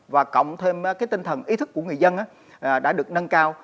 và cộng thêm tinh thần ý thức của người dân đã được nâng cao